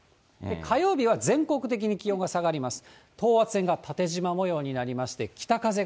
火曜日は全国的に気温が下がります。